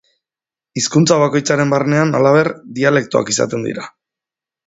Hizkuntza bakoitzaren barnean, halaber, dialektoak izaten dira.